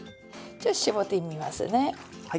ちょっと絞ってみますね。